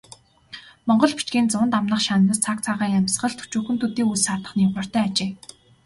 Монгол бичгийн зуун дамнах шандас цаг цагийн амьсгалд өчүүхэн төдий үл саатах нигууртай ажээ.